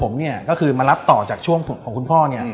รุ่นข้อผมมันรับต่อจากช่วงมีคุณพ่อ